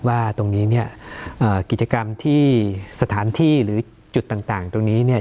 ว่าตรงนี้เนี่ยกิจกรรมที่สถานที่หรือจุดต่างตรงนี้เนี่ย